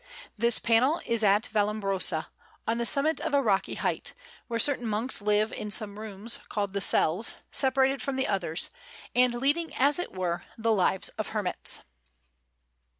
This panel is at Vallombrosa, on the summit of a rocky height, where certain monks live in some rooms called "the cells," separated from the others, and leading as it were the lives of hermits.